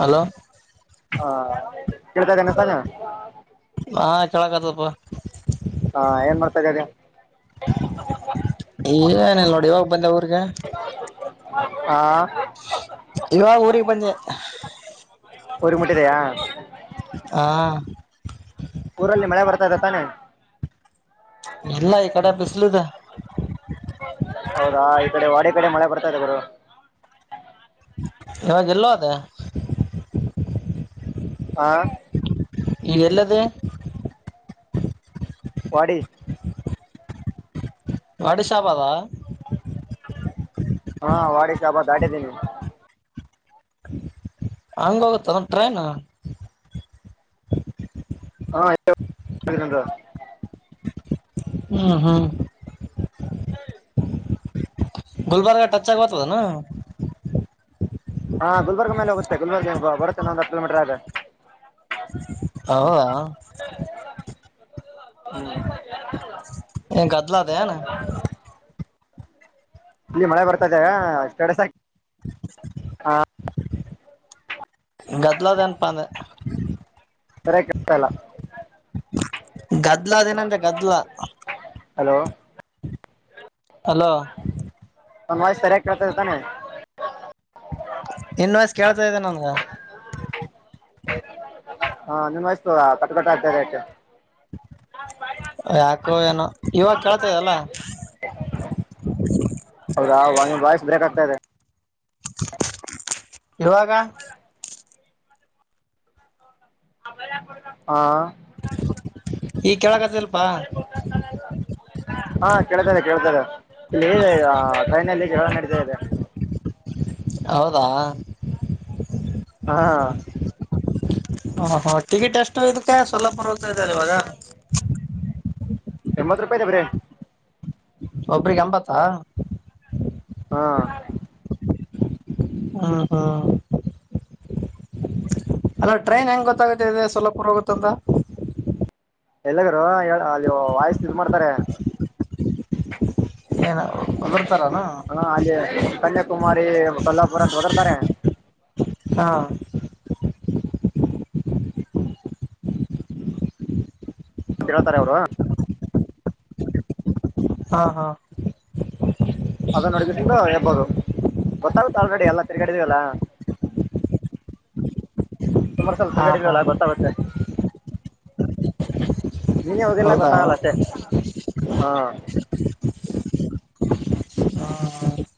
hello ಹಾ ಕೇಳ್ತ ಇದನೆಸ ಹಾ ಕೇಳಕ್ತಪ್ಪ ಹಾ ಏನ್ ಮಾಡ್ತಗದ ಈ ಏನ ನೋಡಿ ಹೋಗ್ ಬಂದೆ ಊರಿಗೆ ಹಾ ಇವಾಗ ಊರಿಗೆ ಬಂದೆ ಊರಿಗ್ ಮುಟ್ಟಿದೆಯಾ ಹಾ ಊರಲ್ಲಿ ಮಳೆ ಬರ್ತಾದೆ ತಾನೆ ಇಲ್ಲ ಈ ಕಡೆ ಬಿಸ್ಲಿದೆ ಹೌದಾ ಈ ಕಡೆ ವಾಡ ಕಡೆ ಮಳೆ ಬರ್ತಾ ಇದೆ ಗರು ಇವಾಗ ಎಲ್ಲ ಹೋದೆ ಹಾ ಈಗ ಎಲದೇ ಪಡಿ ವಾಡಿಶ ಅಗ್ಬೋದ ಹಾ ವಾಡಿ ಶಾಬ ದಾಟಿದ್ದೀನ ಹಂಗ ಹೋಗುತ್ತದ ಟ್ರೈನ್ ಹಾ ಹ್ಮ ಹ್ಮ ಗುಲ್ಬರ್ಗಾ ಟಚ್ ಆಗ ಬತದನಾ ಹಾ ಗುಲ್ಬರ್ಗ ಮೇಲೆ ಹೋಗುತ್ತೆ ಗುಲ್ಬರ್ಗ ಬರುತ್ತೆ ಒಂದ್ ಹತ್ತು ಕಿಲೋಮೀಟರ್ ಆದಗೆ ಹೌದ ಹ್ಮ [unintelligible] ಏನ್ ಕತಲ ಆಯ್ತಾ ಇಲ್ಲಿ ಮಳೆ ಬರ್ತಾದೆ ಸ್ಟೇಟಸ್ ಹಾಕಿ ಹ ಗದಲ ತನಪಂದ ಸರಿ ಕೆಳ್ತಲ್ಲ ಗದ್ಲ ಅದ ಏನಂದ ಗದ್ಲ ಹಲೋ ಅಲೋ ಒನ್ ಸರೆಯಕ್ತತಾನ ಇನ್ ವಯಸ ಕೇಳ್ತಾ ಇದ್ದ ನನ್ಗ ಹಾ ನಿಮ್ ವಯಸ್ತು ಕಟಕಟ ಆತ ಆತು ಯಾಕೋ ಏನೋ ಇವಾಗ ಕೇಳ್ತದಲ್ಲ ಹೌದಾ ಬಾಯಸ್್ ಬ್ರೇಕಕ್ ಆಗ್ತಾ ಇದೆ ಇರುವಾಗ ಹಾ ಈ ಕೆಳಗತ್ತಲ್ಪಾ ಹಾ ಕೇಳ್ತದೆ ಕೇಳ್ತಾರೆ ಇಲ್ಲಿ ಟ್ರೈನ್ಲ್ಲಿ ಕೆಲವ ನಡೀತಾ ಇದೆ ಹೌದಾ ಹಾ ಹ ಹ ಟಿಕೆಟ್ ಎಷ್ಟು ಇದಕ್ಕೆ ಸ್ವಲ್ಪರ್ವತ ಇದದೆ ಇವಾಗ ಎಂಬತ್ ರೂಪಾಯಿ ಇದೇವ್ರೀ ಒಬ್ರಿಗೆ ಅಂಬತ್ತಾ ಹಾ ಹ ಹಾ ಅಲ ಟ್ರೈನ್ ಹೆಂಗೆ ಗೊತ್ತಾಗುತ್ತೆ ಇದೆ ಸೊಲಪುರ ಹೋಗುತ್ತಂತ ಎಲ್ಲಗರು ಅಲ್ಲಿ ವಾಯಸ ಇ ಮಾಡ್ತಾರೆ ಏನ ಅದ್ರ ತರನಾ ಹ ಅಲ್ಲಿ ಕನ್ಯಾಕುಮ ಮ ಕಲ್ಲಾಪುರಂತ ವತಾರೆ ಹಾ ಮ ಹೇಳ್ತಾರೆ ಅವರು ಹಾ ಹಾ ಅದ ಅಡಗ ಸ್ದ ಹರ್ಬೋದು ಗೊತ್ತಾಗುತ್ತಾ ಆಲ್ರೆಡಿ ಎಲ್ಲ ತಿರ್ಗಡಿದಲ್ಲ ಸುಮಾರ ಸಲ ಹಾ ಹಾ ತಿರ್ಗಡೆಲ್ಲ ಗೊತ್ತಾಗುತ್ತೆ ನೀನ್ ಅವದೆಲ್ಲ ಹೌದಾ ಗೊತ್ತಾಗಲ್ಲ ಅಷ್ಟೆ ಹಾ ಹ್ಮ್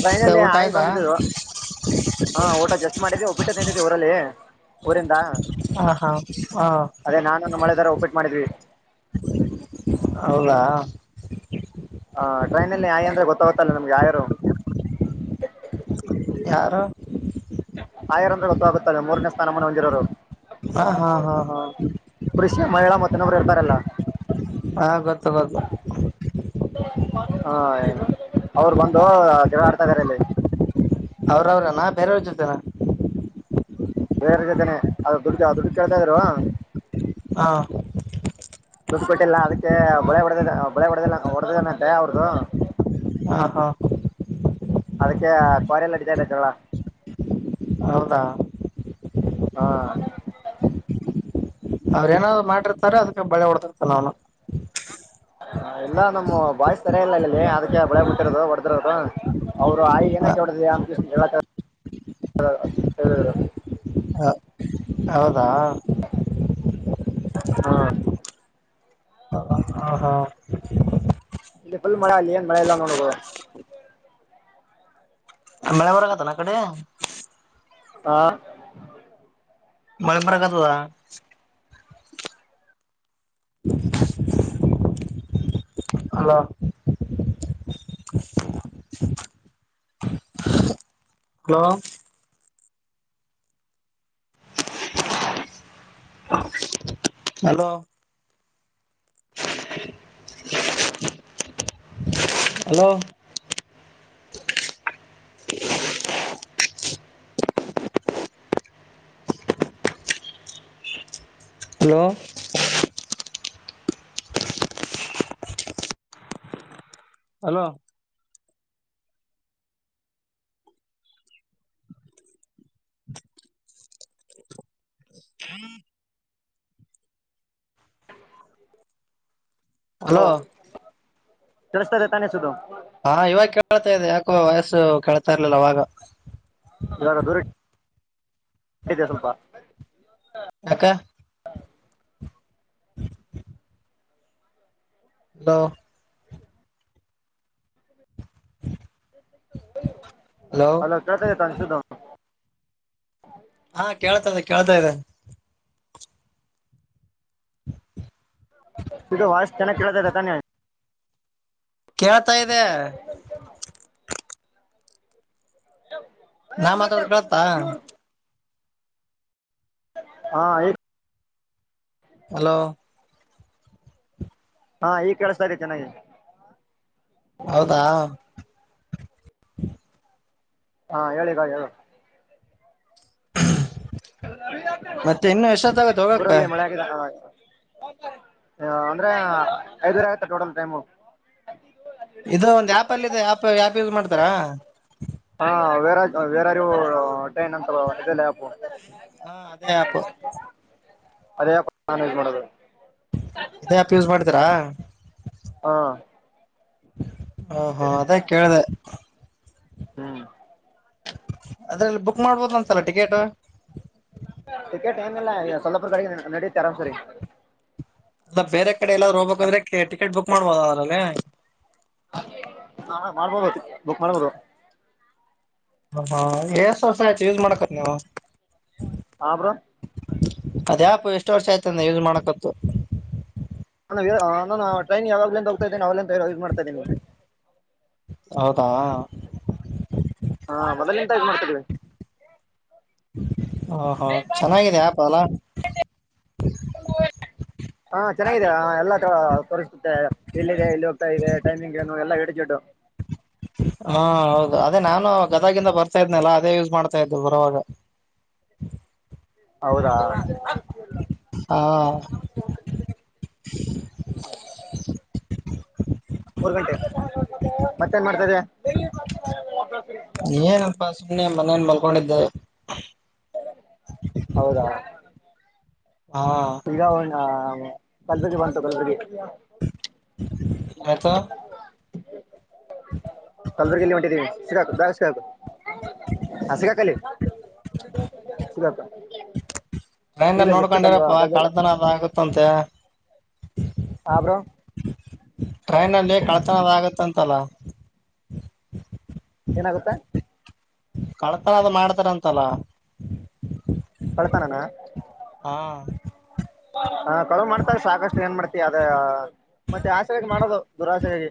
ಟ್ರೈನಲ್ಲಿ ಊಟ ಹಾಯಿ ಆಯ್ತಾ ಬಂದ ಹ ಊಟ ಜಸ್ಟ್ ಮಾಡಿದ್ದ ಬಿಟ್ಟ ತಿಂತತಿ ಊರಲ್ಲಿ ಊರಿಂದ ಹಾ ಹಾ ಹಾ ಅದೇ ನಾನು ಮಳೆದಾರ ಒಪ್ಪಿಟ್ ಮಾಡಿದ್ವಿ ಹೌದಾ ಹಾ ಟ್ರೈನಲ್ಲಿ ನಾಯಿ ಅಂದ್ರೆ ಗೊತ್ತಾಗತ್ತಲ್ಲ ನಮ್ಗೆ ಯಾರಾರು ಯ ಆಯರ್ ಅಂದ್ರೆ ಗೊತ್ತಾಗುತ್ತ ಅ ಮೂರನೇ ಸ್ಥಾನಮಾನ ಹೊಂದಿರೋರು ಹಾ ಹಾ ಹಾ ಹಾ ಕೃಷಿ ಮಹಿಳಾ ಮತ್ತನಬ್ರು ಇರ್ತಾರಲ್ಲ ಹಾ ಗೊತ್ತು ಗೊತ್ತು ಹಾ ಏನು ಅವರು ಬಂದು ಜಡ ಆಡ್ತಾ ಇದಾರೆಲ್ಲಿ ಅವ್ರ ಅವ್ರ ನಾ ಬೇರೆಯವ್ರ ಜೊತೆೇನಾ ಬೇರೆ ಜೊತೆನೆ ಅ ದುಡ್ಡು ದುಡ್ಡು ಕೇಳ್ತಾ ಇದರುವಾ ಹಾ ದುಡ್ಡು ಕೊಟ್ಟಿಲ್ಲ ಅದಕ್ಕೆ ಬಳೆ ಹೊಡೆದ ಬಳೆ ಹೊಡೆದ ಹೊಡೆದದಂತೆಯ ಅವ್ರದು ಹಾ ಹಾ ಅದಕ್ಕೆ ಕ್ವಾರಿ ಎಲ್ಲಡತದೆ ಜಳ ಹೌದ ಹಾ ಅವ್ರ ಏನಾದ್ರು ಮಾಡಿರ್ತಾರೆ ಅದಕ್ಕೆ ಬಳೆ ಹೊಡ್ತರ್ತ ನನು ಹ ಇಲ್ಲ ನಮ್ಮ್ ಬಾಯಸ್ ತರ ಇಲ್ಲ ಇಲ್ಲಲ್ಲಿ ಅದಕ್ಕೆ ಬೆಳೆ ಬಿಟ್ಟಿರೋದು ಹೊಡೆದಿರೋದು ಅವರು ಆಾಯಿ ಏನಕ ಹೊಿದ ಕೃಷ್ಣ ಹೇಳ ಹೇಳರು ಹೌದಾ ಆ, ಹ ಹಾ ಇಲ್ಲಿ ಫುಲ್ ಮೆ ಅಲ್ಲಿ ಏನ್ ಮಳೆ ಇಲ್ಲ ನೋಡುದು ಮಳೆ ಬರಾಗತ ನ ಕಡೆ ಹಾ ಮಯಪರಾಗತದ [unintelligible] hello hello hello [unintelligible] hello [unintelligible] hello hello ಹ್ಮ್ ಅಲೋ ರಸ್ತ ದ ತಾನ ಸುದ್ದದು ಹಾ ಇವಾಗ ಕೇಳ್ತಾ ಇದೆ ಯಾಕೋ ವಯಸ್ಸು ಕೇಳ್ತಾ ಇರ್ಲಿಲ್ಲ ಅವವಾಗ ಅ ದದುರ ಇತ ಸ್ವಲ್ಪ ಯಾಕ ಅಲೋ ಹಲೋ ಅಲೋ ಕತ ಯತಾನ ಸು್ದ ಹಾ ಕೇಳ್ತಾ ಇದೆ ಕೇಳ್ತಾ ಇದೆ ಈಗ ವಸ್ ಚೆನ್ನ ಕೇಳತದ ತಾನೆ ಕೇಳ್ತಾ ಇದೆ ನಾ ಹ ಮತ್ತ ಮಾತಾಡೋದು ಕೇಳ್ತಾ ಯನ್ ಹಾ ಹಲೋ ಹಾ ಈಗ್ ಕಳಿಸತಾದೆ ಚೆನ್ನಾಗಿ ಹೌದಾ ಹಾ ಹೇಳಿಿಕ ಹೇಳ ಮತ್ತೆ ಇನ್ನು ಎಷ್ಟೊತ್ತಾಗತ್ತೆ ಹೋಗಕ್ಕ ಊರಲ್ಲಿ ಮಳೆಗ ಆ್ತ ಅಂದ್ರೆ ಐದೂರೆ ಆಯತಾ ಟೋಟಲ್ ಟೈಮು ಇದು ಒಂದ್ ಆ್ಯಪ್ ಅಲ್ಲಿ ಇದೆ ಆ್ಯಪ್ ಆ್ಯಪ್ ಯೂಸ್ ಮಾಡ್ತಾರಾ ಹ ಬೇರೆ ಬೇರಾರು ಟ್ರೈನ್ ಅಂತ ಇಲ್ಲ ಹಾ ಅದೇಪ್ಪ ಅದೇಜ ಮಾಡ ಇದಪ ಯೂಸ್ ಮಾಡ್ತೀರಾ ಹಾ ಹಾ ಹಾ ಅದೇ ಕೇಳಿದೆ ಹ್ಮ್ ಅದ್ರಲ್ಲಿ ಬುಕ್ ಮಾಡ್ಬೋದ ಅಂತಲ್ಲ ಟಿಕೆಟ್ ಟಿಕೆಟ್ ಏನ್ ಇಲ್ಲ ಈಗ ಸೊಲ್ಲಪುರ್ ಕಡೆಿಗೆ ನಡೀತೆ ಆರಾಮ್ ಸರಿ ಅಲ್ಲ ಬೇರೆ ಕಡೆ ಎಲ್ಲಾರಾ ಹೋಗ್ಬೇಕಂದ್ರೆ ಟಿಕೆಟ್ ಬುಕ್ ಮಾಡ್ಬೋದ ಅವದ್ರಲ್ಲ ಹ ಮಾಡ್ಬೋದುಬುಕ್ ಮಾಡ್ಬೋದು ಹ ಹಾ ಎಸ ಆಯ್ತು ಯೂಸ್ ಮಾಡ್ಕತ್ ನೀವು ಹಮರ [unintelligible] ಅದೇಪು ಎಷ್ಟು ವರ್ಷ ಆಯ್ತಂದ ಯೂಸ್ ಮಾಡಕತ್ತು ನಾನು ನಾನು ಟ್ರೈನ್ ಯಾವಾಗ್ಲ ಹೋಗ್ತಾದೇನೆ ಅವ ಇದ್ ಮಾಡ್ತಾ ಇದ ನೀವು ಹೌದಾ ಹಾ ಮೊದಲ ಎಂತ ಮಾಡ್ತಿದವಿ ಹಾ ಹಾ ಚೆನ್ನಾಗಿದೆ ಆಪ ಅಲ್ಲ ಹಾ ಚೆನ್ನಾಗಿದೆ ಎಲ್ಲ ಮತ್ತ ಎಲ್ಲ ಇದೆ ಇಲ್ಲಿ ಹೋಗ್ತಾ ಇದೆ ಟೈಮಿಂಗ್ ಏನು ಎಲ್ಲ ಎರಡು ಜೊಡ್ಡು ಹ ಹಾ ಹೌದು ಅದೇ ನಾನು ಗದಗಂದ ಬರ್ತಾ ಇದ್ನಲ್ಲಾ ಅದೇ ಯೂಸ್ ಮಾಡ್ತಾ ಇದ್ ಬರುವಾಗ ಹ ಹೌದಾ ಘೃಸದ ಏನ್ ಮಾಡ್ತದೆ ಇನ್ನೇ ಮನೇನ್ ಮಲ್ಕೊಂಡಿದ್ದೆ ಹೌದಾ ಹಾ ಈಗ ಕಲ್ಪಗೆ ಬಂತು ಕಲ್ಪರಿಗೆ ಆತ ಕಲ್ಬರ್ಗಲ್ಲಿ ಹೊಂಟಿದ್ದೀವಿ ಸಿಕ್ಕಾಕುದು ದಾ ಸಿಕ್ಕಾಕುದು ಹ ಸಿಗಕಲ್ಲಿ ಸಿಗಕ್ಕ ಟ್ರೈನ್ ನೋಡ್ಕೊಂಡಿರಪ್ಪ ಕಳೆದನ ಅದ ಆಗುತ್ತಂತೆ ಹಾಬ್ರೋ ಟ್ರೈನ್ ಅಲ್ಲಿ ಕಳತನದ ಆಗತ್ತಂತಲ್ಲ ಏನಾಗುತ್ತ ಕಳ್ತಾರ ಅದು ಮಾಡ್ತಾರಂತಲ್ಲ ಕಳ್ತಾನಾನ ಹಾ ಹಾ ಕಳುವ ಮಾಡ್ತಾರೆ ಸಾಕಷ್ಟು ಏನ್ ಮಾಡ್ತಿ ಅದ ಮತ್ತೆ ಆಸಾಗಿ ಮಾಡೋದು ದುರಾಸಾಗಿ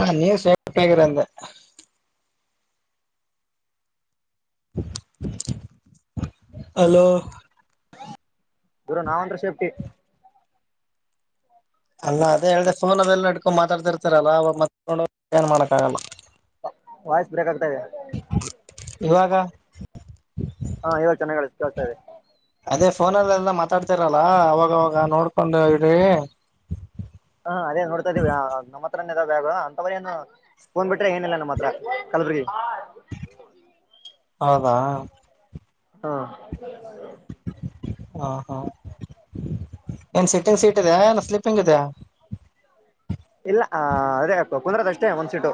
ಹ ನೀವ ಸೇಫ್ಟಿ ಆಗಿ ಇರು ಅಂದೆ ಅಲೋ ಗುರ ನಾಾವಂದ್ರ ಶಫಿ ಅಲ್ಲ ಅದೇ ಹೇಳ್ದೆ ಸೋನ ಬೆಲ್ಲ ನಡ್ಕೊಂಡ ಮಾತಾಡ್ತಿರ್ತಾರಲ್ಲಾ ಅವಾಗೊಂಡ ಏನ್ ಮಾಡಕ್ ಆಗಲ್ಲ ವಾಯ್ಸ್ ಬ್ರೇಕ್ ಆಗ್ತಾದೆ ಇವಾಗ ಹಾ ಇವಾಗ ಚೆನ್ನಾಗ ಕೇಳ್ತಾ ಇದಿ ಅೇ ಫೋನಲ್ಲೆಲ್ಲ ಮಾತಾಡ್ತಿರಲ್ಲ ಅವಾಗವಾಗ ನೋಡ್ಕೊಂಡು ಇಡ್ರಿ ಬಾಗ ಅಂತವರ ಏನು ಫೋನ್ ಬಿಟ್ರೆ ಏನಿಲ್ಲ ನಮ್ಮ ಹತ್ರ ಕಲ್ಬುರ್ಗಿ ಹೌದಾ ಹಾ ಹ ಹಾ ಏನ್ ಸಿಟ್ಟಿಂಗ್ ಸೀಟ್ ಇದೆ ಏನ್ ಸ್ಲೀಪಿಂಗ್ ಇದೆ ಕೊಕುಂದ್ರದ ಅಷ್ಟೇ ಒಂದ್ ಸೀಟು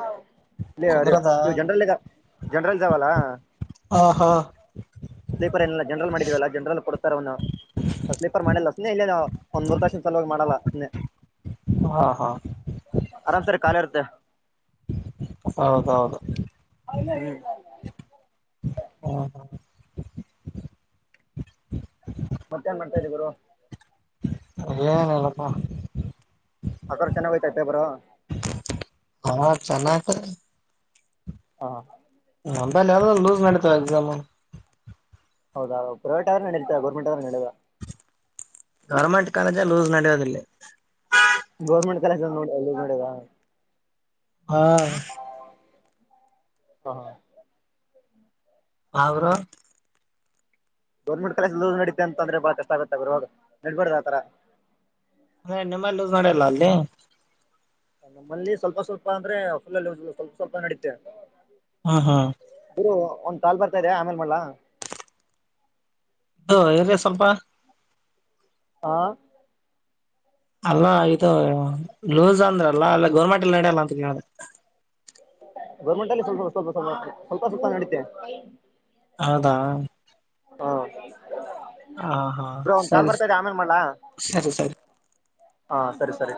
ಕುಂದ್ರದ ಇ ಜನರಲ್ ಇದ ಜನರಲ್ ಇದಾವಲ್ಲಾ ಹ ಹಾ ಸ್ಲೀಪರ್ ಏನಲ್ಲ ಜನರಲ್ ಮಾಡಿದೀವಲ್ಲ ಜನರಲ್ ಕೊಡ್ತಾರ ಅವನು ಸ್ಲೀಪರ್ ಮಾಡಲ್ಲ ಸುನನೆ ಇಲ್ಲೇ ನಾ ಒಂದ್ ಮೂರು ದಷನ ಸಲ ಹಿ ಮಾಡಲ್ಲ ಸನನೆ ಹಾ ಹಾ ಆರಾಮ್ ಸರ್ ಕಖಾಲ ಇರ್ತ್ತೆ ಹೌದೌದು ಹ ಹ್ಮ ಹಾ ಮತ್ತ ಏನ್ ಮಾಡ್ತಾ ಇದೀ ಗರು ಏನೇನಲ್ಲಪ್ಪ ಆಕ್ರ ಚೆನ್ನಾಗೋಯ್ತಾ ಪೇಬರು ಹಾ ಚನ್ನಕ ಹಾ ಅಂದ ಯ ಲೂಸ್ ಮಾಡತ ಎಸಾಮ ಹೌದಾ ಪ್ರೈವೇಟ್ ಆದ್ರೆ ನಡೀತಾ ಗೌರ್ಮೆಟ್ ಆದ್ರ ನಡದಾ ಗೌರ್ಮೆಂಟ್ ಕಾಲೇಜಾ ಲೂಸ್ ನಡೆಯೋದಿಲ್ಲ ಗೋರ್ಮೆಂಟ್ ಕಾಲೇಜಲ್ಲಿ ನೋಡಿಲ್ಲಿ ನೋಡುವ ಹಾ ಹಾ ಅವರ ಗೌರ್ಮೆಂಟ್ ಕಲಸ ನಡಿತೆ ಅಂತಂದ್ರೆ ಬಾಳ ಕಷ್ಟ ಆಗುತ್ತೆ ಗಾಗ ನಡ್ಬಾರ್ದ್ ಆತರ ಹ ನೆಮ್ಮ ಲೂಸ್ ಮಾಡ್ಯಲ್ಲ ಅಲ್ಲಿ ನಮ್ಮಲ್ಲಿ ಸ್ವಲ್ಪ ಸ್ವಲ್ಪ ಅಂದ್ರೆ ಫುಲ್ಲಲ್ಲಿ ಸ್ವಲ್ಪ ಸ್ವಲ್ಪ ನಡೀಿತೆ ಹಾ ಹಾ ಒಂದ್ ತಾಲ್ ಬರ್ತಾ ಇದೆ ಆಮೇಲ್ ಮಾಡಳ ಅ ಎೇ ಸ್ವಲ್ಪ ಆ ಅಲ್ಲ ಇದು ಲೂಸ್ ಅಂದ್ರಲ್ಲ ಅಲ್ಲ ಗೌರ್ಮೆಂಟ್ ಎಲ್ಲಿ ನಡೆಯಲ್ಲ ಅಂತ ಕೇಳಿದೆ ಗೌರ್ಮೆಂಟ್ ಅಲ್ಲಿ ಸ್ವಲ್ಪ ಸ್ವಲ್ಪ ಸ್ವಲ್ಪ ಸ್ವಲ್ಪ ನಡೀಿತೆ ಹೌದಾ ಹಾ ಹ ಹಾ ಬ್ರೌನ್ ಕಾಲ್ ಸರಿ ಬರ್ತದೆ ಆಮೇನ್ ಮಾಡಳ ಸರಿ ಸರಿ ಹಾ ಸರಿ ಸರಿ